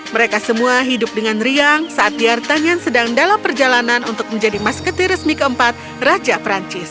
mereka semua hidup dengan riang saat diartanyan sedang dalam perjalanan untuk menjadi masketi resmi keempat raja perancis